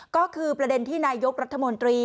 ก็คือประเด็นที่นายกรัฐมนตรี